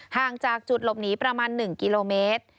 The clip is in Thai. ห่างจากจุดหลบหนีประมาณ๑กิโลเมตร